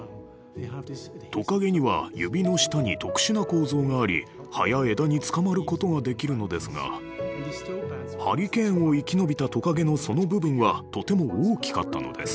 トカゲには指の下に特殊な構造があり葉や枝につかまることができるのですがハリケーンを生き延びたトカゲのその部分はとても大きかったのです。